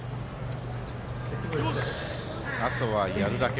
あとはやるだけ！